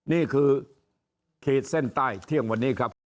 นี่คือขีดเส้นใต้เที่ยงวันนี้ครับ